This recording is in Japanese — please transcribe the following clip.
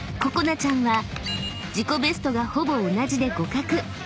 ここなちゃんは自己ベストがほぼ同じで互角］